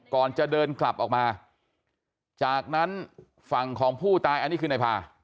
ก่อนจะเดินกลับออกมาจากนั้นฝั่งของผู้ตายอันนี้คือในพา